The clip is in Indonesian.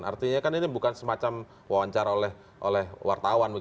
artinya kan ini bukan semacam wawancara oleh wartawan